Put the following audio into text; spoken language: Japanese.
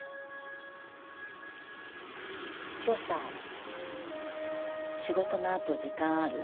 今日さ仕事のあと時間ある？